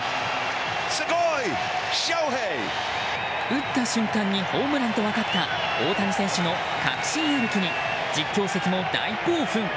打った瞬間にホームランと分かった大谷選手の確信歩きに実況席も大興奮。